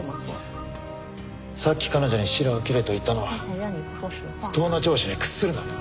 さっき彼女にしらを切れと言ったのは不当な聴取に屈するなと。